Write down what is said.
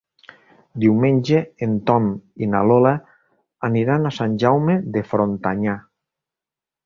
Diumenge en Tom i na Lola aniran a Sant Jaume de Frontanyà.